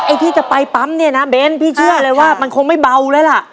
ที่จะไปปั๊มเนี่ยนะเบ้นพี่เชื่อเลยว่ามันคงไม่เบาแล้วล่ะ